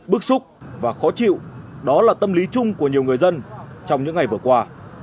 bức xúc và khó chịu đó là tâm lý chung của nhiều người dân trong những ngày vừa qua